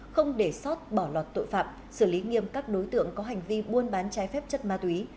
không để sót bỏ lọt tội phạm xử lý nghiêm các đối tượng có hành vi buôn bán trái phép chất ma túy